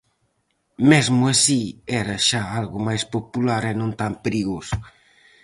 Mesmo así era xa algo máis popular e non tan perigoso.